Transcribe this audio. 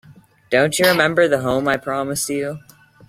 Don't you remember the home I promised you?